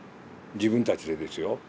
自分たちでですよ。